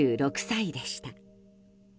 ９６歳でした。